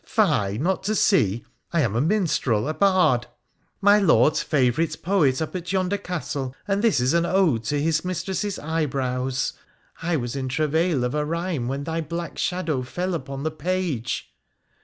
' Fie ! not to see ! I am a minstrel — a bard ; my Lord's favourite poet up at yonder castle, and this is an ode to his mistress's eyebrows. I was in travail of a rhyme when thy black shadow fell upon the page.'